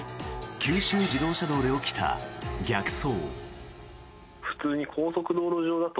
九州自動車道で起きた逆走。